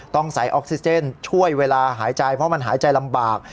ต้องใส่ออกซิเจนช่วยเวลาหายใจเพราะมันหายใจลำบาก